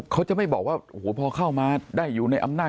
เขาจะไม่บอกว่าโอ้โหพอเข้ามาได้อยู่ในอำนาจ